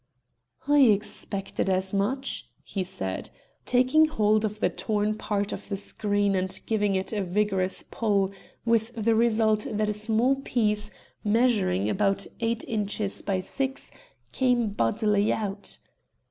"I expected as much," he said, taking hold of the torn part of the screen and giving it a vigorous pull, with the result that a small piece, measuring about eight inches by six, came bodily out.